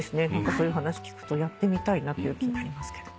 そういう話聞くとやってみたいなっていう気になりますけど。